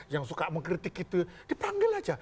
yang suka mengkritik itu dipanggil saja